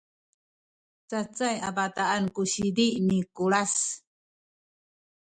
cacay a bataan ku sizi ni Kulas